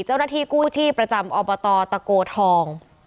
เจ้าหน้าที่กู้ชีพประจำอบตตะโกทอง